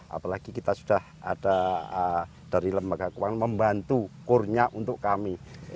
apalagi kita sudah ada dari lembaga keuangan membantu kurnya untuk kami